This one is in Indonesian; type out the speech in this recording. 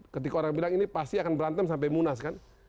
ketika orang bilang ini pasti akan berantem sampai munas kan